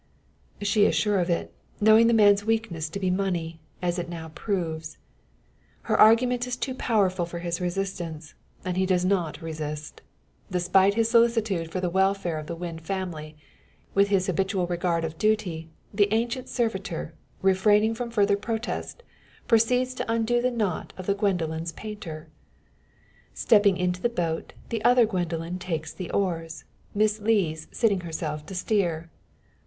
She is sure of it, knowing the man's weakness to be money, as it now proves. Her argument is too powerful for his resistance, and he does not resist. Despite his solicitude for the welfare of the Wynn family, with his habitual regard of duty, the ancient servitor, refraining from further protest, proceeds to undo the knot of the Gwendoline's painter. Stepping into the boat, the other Gwendoline takes the oars, Miss Lees seating herself to steer.